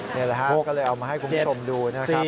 นี่แหละฮะก็เลยเอามาให้คุณผู้ชมดูนะครับ